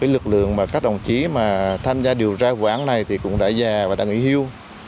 lực lượng các đồng chí tham gia điều tra vụ án này cũng đã già và đã nghỉ hưu